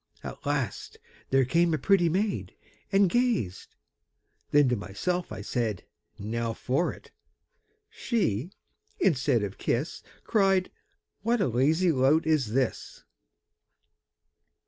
At last there came a pretty maid, And gazed; then to myself I said, 'Now for it!' She, instead of kiss, Cried, 'What a lazy lout is this!'